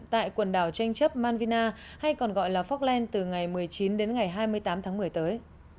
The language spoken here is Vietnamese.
tại quần đảo tranh chấp manvina hay còn gọi là foxland từ ngày một mươi chín đến ngày hai mươi tám tháng một mươi tới